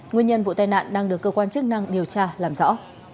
nguyên nhân vụ tai nạn đang được cơ quan chức năng điều tra làm rõ